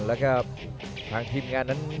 แล้วก็ทางทีมงานนั้น